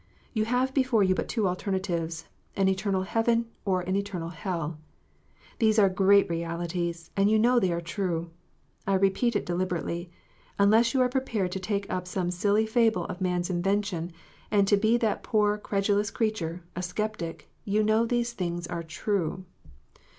You have before you but two alternatives, an eternal heaven, or an eternal hell. These are great realities, and you know they are true. I repeat it deliberately : unless you are prepared to take up some silly fable of man s invention, and to be that poor credulous creature, a sceptic, you know these things are true.